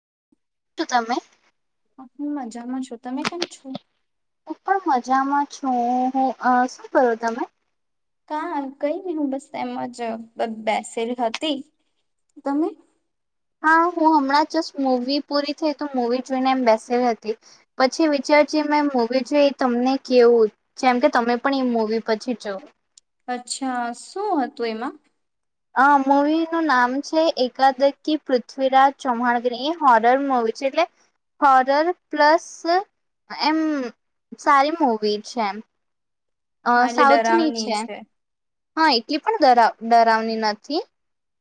[inaudible] શું તમે હું મજામાં છું તમે કેમ છો હુ પણ મજામાં છું હું અ શું કરો તમે કા કઈ નહી હું બસ એજ બ બેસેલ હતી તમે હા હું હમણાં જસ્ટ મવી પૂરી થઈ તો મૂવી જોઈને એમ બેસેલી હતી પછી વિચાર જે મેં મુૂવી જોઈ એ તમને કેવું જેમ કે તમે પણ એ મૂવી પછી જો અચ્છા શું હતું એમાં અ મવીનું નામ છે એકાદી પૃથ્વીરાજ ચૌહાણગરી એ હોરર મવી છે એટલે હોરર પ્લસ એમ સારી મુવી છે એમ અ હા એટલે સાઉથની ડરાવની છે હા એટલી પણ ડરા ડરાવની નથી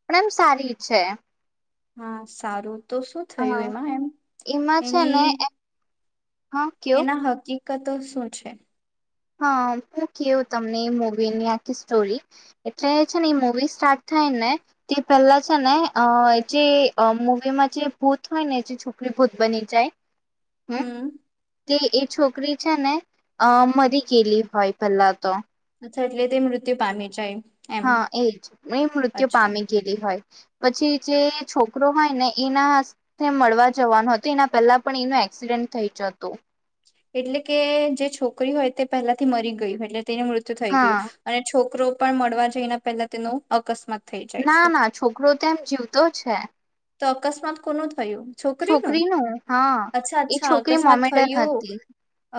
પણ એમ સારી છે હા સારું તો શું થયું હા એમાં એમ એમાં છે ને એની હા કયો એના હકીક કતો શું છે હ હું કેવું તમને એ મુવીની આખી સ્ટોરી એટલે છે ને એ મુવી સ્ટાર્ટ થાય ને તે પહેલા છે ને અ જે મૂવીમાં જે ભૂત હોય ને જે છોકરી ભૂત બની જાય હમ્મ હમ તે એ છોકરી છે ને અ મરી કેલી હોય પેલા તો અચ્છા એટલે તે મૃત્યુ પામી જાય એમ હા એજ એ મૃત્યુ અચ્છા પામી ગયેલી હોય પછી જે છોકરો હોય ને એના મળવા જવાનું હતું એના પહેલા પણ એનો એક્સિડેન્ટ થઈ જ હતો એટલે કે જે છોકરી હોય તે પહેલાથી મરી ગય એટલે તેનું મૃત્યુ થઈ હા ગયું અને છોકરો પણ મળવા જઈને પેલા તેનું અકસ્માત થઈ જાય ના છે ના છોકરો તો એમ જીવ તો છે તો અકસ્માત કોનો છોકરીનું હા અચ્છા એ અચ્છા છોકરી અકસ્માત મોમેડન થયું હતી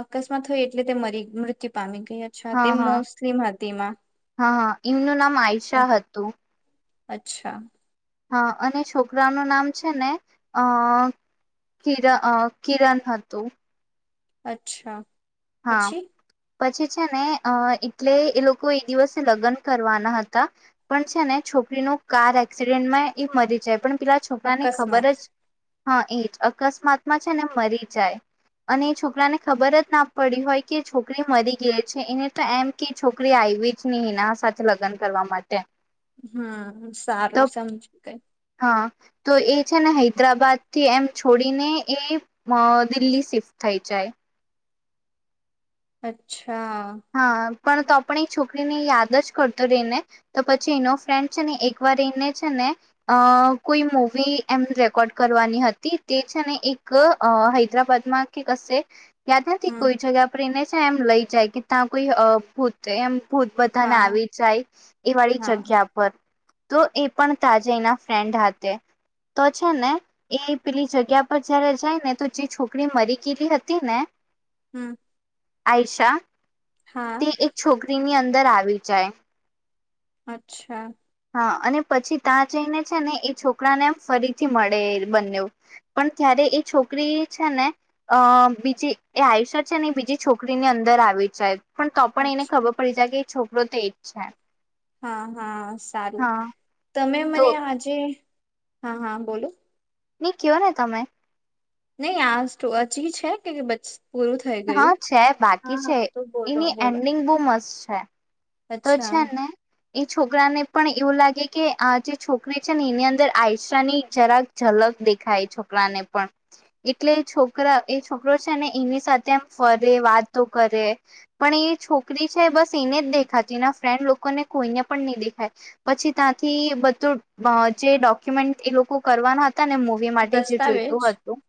અકસ્માત હોય એટલે તે મરી મૃત્યુ પામી ગઈ અચ્છા તે હા હા મુસ્લિમ હતી માં હા હા એમનું નામ અચ્છા આયશા હતું અચ્છા હા અને છોકરાનું નામ છે ને અ કીરા અ કીરણ હા તો અચ્છા પછી? પછી છે ને અ એટલે એ લોકો એ દિવસે લગ્ન કરવાના હતા પણ છે ને છોકરી ન કાર એક્સિડેન્ટમાં એ મરી જાય પણ. પેલા છોકરા ને ખબર અકસ્માત જ હા એ જ અકસ્માતમાં છે ને મરી જાય અને એ છોકરાને ખબર જ પડી હોય કે છોકરી મરી ગઈ છે એને તો એમ કે છોકરી આવી જ નહી એના સાથે લગ્ન કરવા માટે. હમ તો સારું સમજ કઈ. હા તો એ છે ને હૈદરાબાદ થી એમ છોડીને એ અ દિલ્હી શિફ્ટ થઈ જાય. અચ્છા. હા. પણ તો આપણે એ છોકરીને યાદ જ કરતો રહીને તો પછી એનો ફ્રેન્ડ છે ને એક વાર એને છે ને અ કોઈ મવી એમ રેકોર્ડ કરવાની હતી તે છે ને એક હૈદરાબાદમાં કે કશે યાદ નથી હમ કોઈ જગ્યા પર એને એમ લઈ જાય કે ત કોઈ અ પોતે એમ. ભૂત બધાને હા આવી જાય એ વાળી હા જગ્યા પર તો એ પણ તાજે એના ફ્રેન્ડ હતા તો છે ને એ પેલી જગ્યા પર જયારે જાય ને તો જે છોકરી મરી ગયલી હતી ને. હમ્મ. આયષા. તે એક છોકરીની અંદર અર આવી જાય. અચ્છા. હ અને પછી ત્યાં જઈને છે ને એ છોકરા ને એમ ફરીથી મળે બન્યું પણ ત્યારે એ છોકરી છે ને અ બીજી એ આયુષ્યત છે ને એ બીજી છોકરી ની અંદર આવી જાય. પણ તો પણ એને અચ્છા ખબર પડી જાય કે છોકરો તો ઈચ્છા. હા હા. સારું. તમે તો મને આજે હા હા બોલો. ની કયો ને તમે. નહી આજ તો અ ચીજ છે કે બ હા છે બાકી છે તો બોલો એની બોલો એન્ડિંગ બહ મસ્ત છે. છે. તો અચ્છા છે ને. એ છોકરાને પણ એવું લાગે કે આ જે છોકરી છે ને એની અંદર આયશ ની જરાક ઝલક દેખાય છોકરાને પણ એટલે છોકરા એ છોકરો છે ને એની સાથે એમ ફરે વાતો કરે પણ એ છોકરી છે બસ એને જ દેખે ખા ના ફ્રેન્ડ લોકોને કોઈને પણ નહી દેખાય પછી ત્યાંથી બધું જે ડોક્યુમેન્ટ એ લોકો કરવાના હતા. તને મૂવી માટે જ દસ્તાવેજ જોઈતું હતું.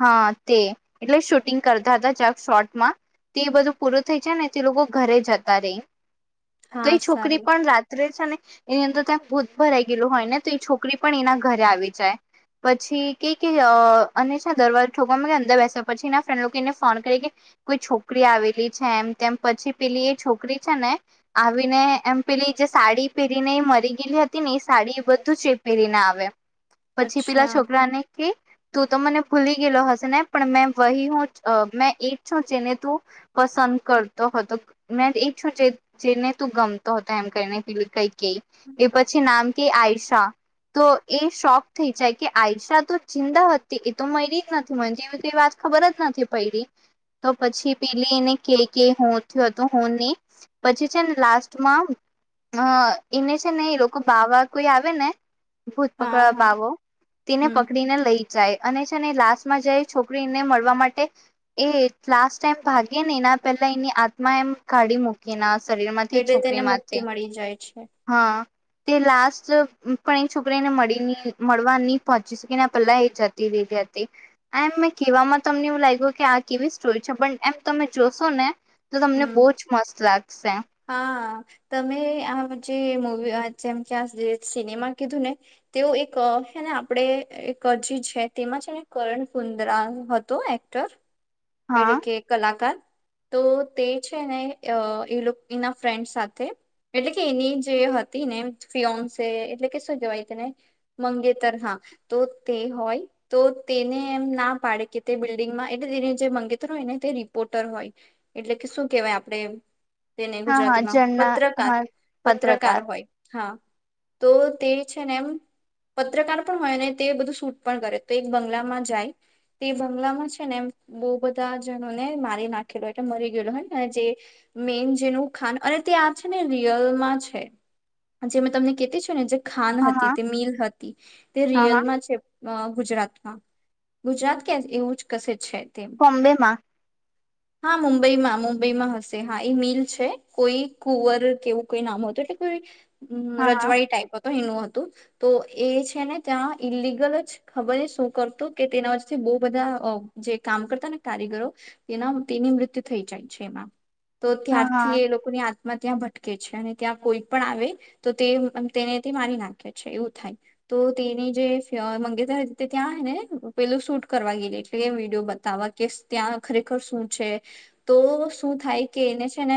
હા તે એટલે શૂટિંગ કરતા હતા જ શોર્ટમાં તે બધું પૂરું થઈ જાય ને તે લોકો ઘરે જતા રહી. તો હા એ છોકરી સારું પણ રાત્રે છે ને એની અંદર ત ભૂત ભરાઈ ગયેલું હોય ને તો એ છોકરી પણ એના ઘરે આવી જાય પછી કે કે અને છે દરવાજ ઠોકમાં અંદર બેસે પછી એના ફ્રેન્ડ લોકો એને ફોન કરી કે કોઈ છોકરી આવેલી છે એમ તેમ પછી પેલી એ છોકરી છે ને આવીને એમ પેલી જે સાડી પહેરીને એ મરી ગયેલી હતી ને એ સાડી એ બધું જ એ પહેરીને આવે. પછી પેલા અચ્છા છોકરા ને કે તું તો મને ભૂલી ગેલો હશે પણ મે વહી હું, મે એ છું જેને તું પસંદ કરતો હતો. મે એ છું જે જેને તું ગમતો હતો એમ કરીને પણ કઈક કે પછી નામ કે આયસ હા, તો એ શોખ થઈ જાય કે આઈશા તો જીદા હતી એતો મયરી જ નથી મન એવી એ વાત ખબર જ નથી પયઙી તો પછી પેલી એને કે, હું થતું, હું નહી. પછી છે ને, લાસ્ટમાં અ એને છે ને એ લોકો બાવા કોઈ આવે ને હા ભૂતપકડવા હા બાવો તેને હમ પકડી ને લઈ જાય અને છે ને લાસ્ટમાં જાય છોકરીને મળવા માટે એ લાસ્ટ ટાઈમ ભાગેને એના પહેલા એની આત્મા એમ કાઢી મૂકી કેનાશ. શરીરમાંથી, એટલે તેને છોકરીમાંથી, મુક્તિ મળી જાય છે હા. તે લાસ્ટ પણ એ છોકરીને મળી નહી, મળવા નહી પહોંચી શકી, એના પહેલા એ જતી રહેલી હતી. એમ મેં કહેવામાં તમને એવું લાગ્યું કે, આ કેવી સ્ટોરી છે પણ એમ તમે જોશો ને- તો, તમને બહુ જ મસ્ત સે. હા. હા, તમે આમ જે મુવી જેમ કે આ જે સિનેમા કીધું ને તેઓ એક છેને આપણે એક અજી છે તેમાં છે ને કરણ કુંદ્રા હતો એક્ટર. હા હેઙ કે કલાકાર? તો તે છે ને એના ફ્રેન્ડ સાથે એટલે કે, એની જે હતી ને ફિયોન્સે એટલે કે શું કેહેવાય તેને મંગેતર. હા, તો તે હોય તો તેને એમ ના પાડે કે તે બિલ્ડિંગમાં એટલે તે જે મંગેતર હોય ને તે રિપોર્ટર હોય. એટલે કે, શું કેહેવાય આપણે તેને હા હા ગુજરાતીમાં ઝરના પત્રકાર, હા પત્રકાર હોય. હા. તો તે છે ને એમ પત્રકાર પણ હોય, ને તે બધું શૂટ પણ કરે તો એક બંગલામાં જાય તે બંગલામાં છે ને એમ બહુ બધા જનોને મારી નાખેલા. એટલે, મરી ગયેલો હોય ને જે મેન જેનું ખાાન અને તે આ છે ને રિયલમાં છે. જે મેં તમને કેતી છું ને જે ખાન હા હા હતી. તે મિલ હતી તે હા હા રિયલમાં છે ગુજરાતમાં. ગુજરાત કે એવું જ કશે છે. તેમ કોમ્બેમાં. હા, મુંબઈમાં મુંબઈમાં હશે. હા, એ મિલ છે કોઈ કુવર કેવું કોઈ નામ હતું. એટલે, કોઈ હમ, હા રજવાડી ટાઈપ એનું હતું. તો એ છે ને, ત્યાં ઈલિગલ જ ખબર શું કરતો કે, તેના વથી બહુ બધા જે કામ કરતાને કારીગરો તેના, તેની મૃત્યુ થઈ જાય છે એમાં. તો હા હા ત્યારથી હા એ લોકોની ઞમે ત્યાં ભટકે છે અને ત્યાં કોઈ પણ આવે, તો તે તેને તે મારી નાખે છે એવું થાય, તો તેની જે મંગેતર તે ત્યાંને પેલું શૂટ કરવા ગયેલી, એટલે તે વિડીયો બ આવા કેસ ત્યાં ખરેખર શું છે? તો શું થાય કે એને છે ને,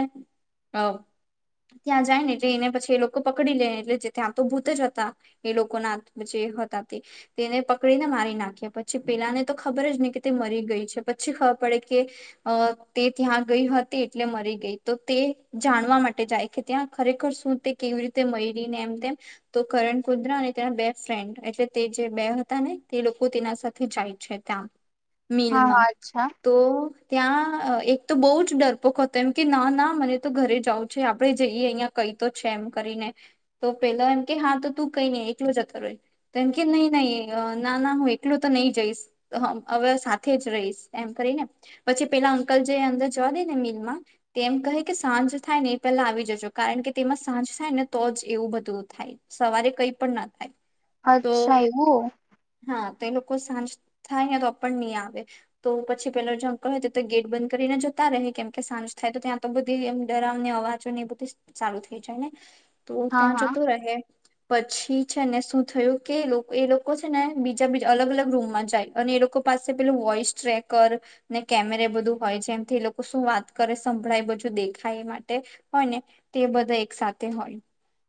ત્યાં જાથને એટલે એને પછી એ લોકો પકડી લેને એટલે, જે આમંતો ત્યાં ભૂત જ હતા એ લોકોના જે હતા તે તેને પકડીને મારી નાખ્યા પછી પેલાને તો ખબર જ ને કે તે મરી ગઈ છે. પછી ખબર પડે કે, તે ત્યાં ગઈ હતી એટલે મરી ગઈ તો તે જાણવા માટે જાય કે, ત્યાં ખરેખર શું તે કેવી રીતે મયરીને એમ તેમ, તો કરણ પુત્ર અને તેના બે ફ્રેન્ડ. એટલે તે જે બે હતા ને, તે લોકો તેના સાથે જાય છે ત્યાં. હા હા મિલમાં અચ્છા તો ત્યાં એક તો બહુ જ ડરપોક હતો. એમ કે ના, ના મને તો ઘરે જવું છે આપણે જઈએ અહિયાં કઈ તો છે એમ કરીને તો પેલા એમ કે હા, તો તું કઈ નહી એકલો જતો રહે. તો એમકે નહી, નહી ના, ના હું એકલો તો નહી જઈશ હવે સાથે જ રહીશ એમ કરી ને, પછી પેલા અંકલ જે અંદર જવા દે ને મિલમાં તે એમ કહે કે, સાંજ થાય ને એ પહેલા આવી જજો. કારણ કે, તેમાં સાંજ થાય ને, તો જ એવું બધું થાય સવારે કઈ પણ ના થાય. તો અચ્છા, એવું. હા, તો એ લોકો સાંજ થાયને તો પણ નહી આવે. તો પછી પેલા જો અંકલ હોય તો તો ગેટ બંધ કરીને જતા ર રહે કેમ કે સાંજ થાય તો ત્યાં તો બધી એમ ડરાવને અવાજો ને એ બધી સારુ થઈ જાય ને. તો હા ત્યાં હા જતોું રહે પછી છે ને શું થયું કે એ લોકો છે ને બીજા બીજા અલગ અલગ રૂમમાં જાય અને એ લોકો પાસે પેલું વોઈસ ટ્રેકર ને કેમેરે બધું હોય જેમથી એ લોકો શું વાત કરે સંભળાય બધું દેખાય માટે હોય ને તે બધા એક સાથેથે હોય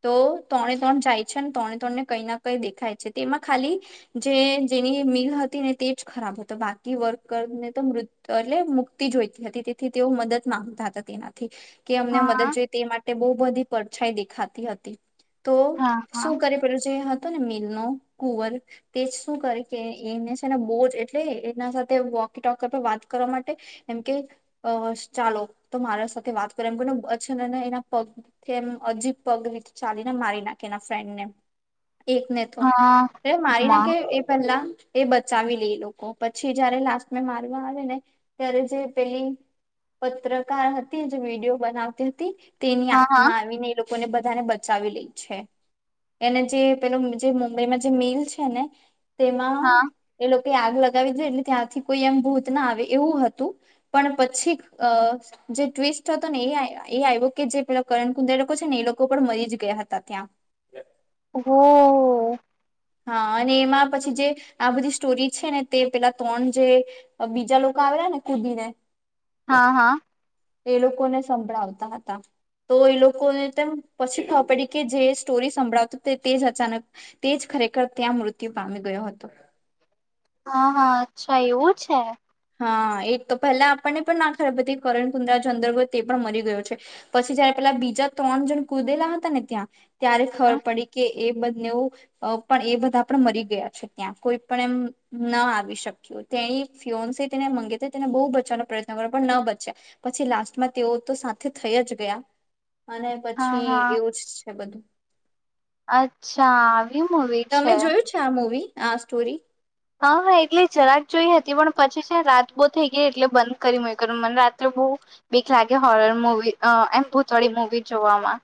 તો ત્રણે ત્રણ જાય છે ને ત્રણે ત્રણને કઈ કઈ દેખાય છે તેમાં ખાલી જે જેની મિલ હતી ને તે જ ખરાબ હતી. તો બાકી વર્કરને તો મૃત એટલે મુક્તિ જોઈતી હતી તેથી તેઓ મદદ માંગતા હતા તેનાથી. કે અમને મદદ હા જોઈએ તે માટે બઉુ બધી પરડછાઈ દેખાતી હતી. તો હા હા શું કરી પડ્યું છે. ને મિલ ન કુવર તેજ શું કરે કે એને છે ને બહ જ એ એના સાથે વોકે ટોક વાત કરવા માટે એમ કે ચાલો તો મારા સાથે વાત કર એમ કોને અછન એના પગ એમ અજીબ પગ રીતે ચાલીને મારી નાખે એના ફ્રેન્ડને એક ને તો હા એ મારી ના ઉમા કે એ પહેલ એ બચાવી લે લો. પછી જયારે લાસ્ટમાં મારવા આવે ને ત્યારે જે પેલી પત્રકાર હતી જે વિડીિયો બનાવતી હતી. તેની હા હા આત્મા આવીને એ લોકોને બધા બધા બચાવી લે છે એને જે પેલો જે મુંબઈમાં જે મિલ છે ને તેમાં હા એ લોકો આગ લગ લગાવી દ એટલે ત્યાંથી કોઈ એમ ભૂત ના આવે એવું હતું પણ પછી જે ટ્વિસ્ટ હતો ને એ આવ્યો કે જે પેલા કરણ કુંદ એ લોકો છે ને એ લોકો પણ મરી જ ગયા હતા ત્યાં હ. હા અને એમાં પછી જે આ બધી સ્ટોરી છે ને તે પેલા ત્રણ જે બીજા લોકો આવેલા ને કુદીીને હા હા એ લોકોને સંભળાવતા હતા તો એ લોકોને તેમ પછી ખબર પડી કે જે સ્ટોરી સંભળાવત તે જ અચાનક તેજ ખરેખર ત્યાં મૃત્યુ પામી ગયો હતો. હા હા અચ્છા એવું છે. હા એક તો પહેલા આપણને પણ ના ખરાબ પ હતી કરણ કુંદરા જો અંદરય તે પણ મરી ગયો છે પછી જયારે પેલા બીજા ત્રણ જણ કુદેલા હતા ને ત્યાં ત્યારે ખબર હમ, પડી કે એ બને પણ એ બધા પણ મરી ગયા છે ત્યાં કોઈ પણ એમ ન આવી શક્યું તે ફ તેને મંગી તેને બહુ બચવાનો પ્રયત્ન કર્યો પણ ન બચ્યા પછી લાસ્ટમાં તેઓ તો સાથે થઈ જ ગયા અને હા પછી હા એવું જ છે બધું અચ્છા તમે જોયું છે આ મવી? હા સ્ટોરી.. હા હા એટલે જરાક જોઈ હતી પણ પછી છે રાત બહુ થઈ ગઈ એટલે બંધ કરી કર મને રાત્રે બહુ બીક લાગે હોરર મુવી એમ ભૂતવાળી મુવી જોવામાં.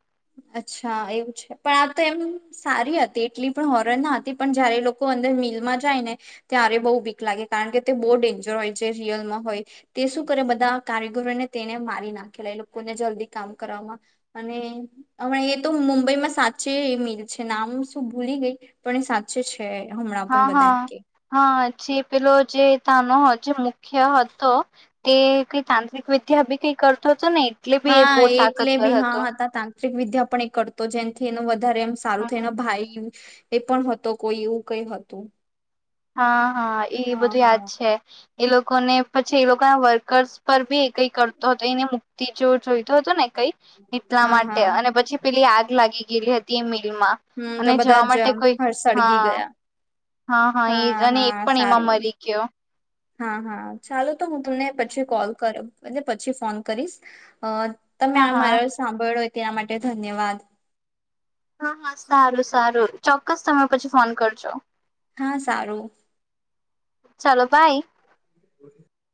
અચ્છા એવું છે પણ આ તો એમ સારી હતી એટલી પણ હોરર ના હતી પણ જયારે લોકો અંદર મિલમાં જાય ને ત્યારે બહુ વીક લાગે કારણ કે તે બહ ડેન્જર હોય જે રિયલમાં હોય તે શું કરે બધા કારીગરોને તેને મારી નાખેલા લોકોને જલ્દી કામ કરવામાં અને હ એ તો મુંબઈમાં સાચે મિલ છે નામ શું ભૂલી ગઈ પણ એ સાચે છે છે હમણાં પણ બધા એમ કે પછી પેલો જે તાનો જે મુખ્ય હતો તે કઈ તાંત્રિક વિદ્યા બી કઈ કરતો હતો એટલે બી એ બો તાકતવર હતો તાત્રિક વિદ્યા પણ એ કરતો જેમથી એનો ઘારે એમ સારું થઈને ભાઈ એ પણ હતો કોઈ એવું કઈ હતું હા હા એ બધું યાદ છે એ લોકોને પછી એ લોકો ના વર્કર્સ પર બી એ કઈ કરતો હતો એને મુક્તિ જોવ જોઈતો હતો ને કઈ એટલા હા માટે હા અને પછી પેલી આ લાગી ગયલી હતી એ એમાં હમ તો અને બધા જવા જ માટે કોઈ હળ સળગી હા ગયા હા હા એજ અને એ હા પણ એમાં સારું. મરી ગયો હા હા ચાલ તો હું તમને પછી કોલ કરુ અને પછી ફોન કરીશ અ તમે હા આ હા મારા સાંભળો તેના માટે ધન્યવાદ હા હા સારું સારું ચોક્કસ તમે પછી ફોન કરજો હા સારું ચાલો બાય [inaudible]